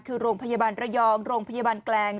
คือโรงพยาบาลระยองโรงพยาบาลแกลง